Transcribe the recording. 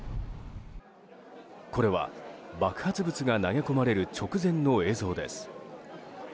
これは、爆発物が投げ込まれる直前の映像です。